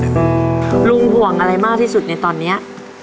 ลุงภวงอะไรมากที่สุดเนี่ยตอนนี้